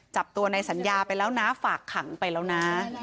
จับตัวในสัญญาไปแล้วนะฝากขังไปแล้วนะ